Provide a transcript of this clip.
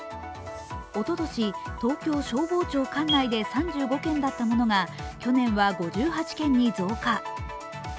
おととし、東京消防庁管内で３５件だったものが去年は５８件に増加。